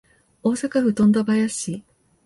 大阪府富田林市